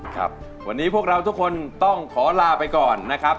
ครับวันนี้พวกเราทุกคนต้องขอลาไปก่อนนะครับ